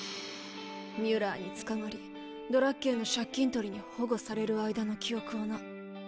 ミュラーに捕まりドラッケンの借金取りに保護される間の記憶をな。